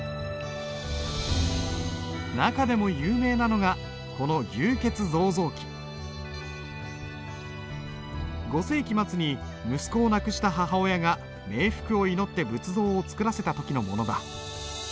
中でも有名なのがこの５世紀末に息子を亡くした母親が冥福を祈って仏像を作らせた時のものだ。